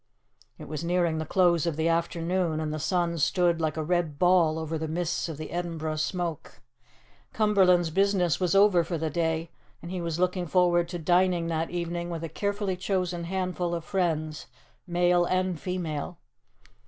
It was nearing the close of the afternoon, and the sun stood like a red ball over the mists of the Edinburgh smoke. Cumberland's business was over for the day, and he was looking forward to dining that evening with a carefully chosen handful of friends, male and female.